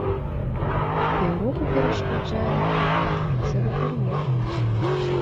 Еўропы перашкаджае, напрыклад, візавы бар'ер.